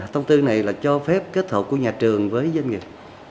thông tư này là cho phép kết hợp của nhà trường với doanh nghiệp